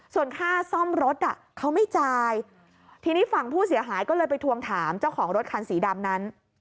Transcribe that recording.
ส่วนค่าซ่อมรถเขาไม่จ่ายทีนี้ฝั่งผู้เสียหายก็เลยไปทวงถามเจ้าของรถคันสีดำนั้น